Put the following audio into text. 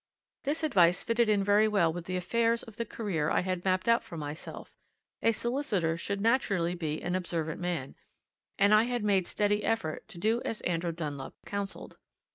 This advice fitted in very well with the affairs of the career I had mapped out for myself a solicitor should naturally be an observant man, and I had made steady effort to do as Andrew Dunlop counselled.